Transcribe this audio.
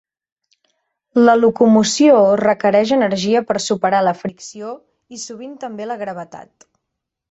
La locomoció requereix energia per superar la fricció i sovint també la gravetat.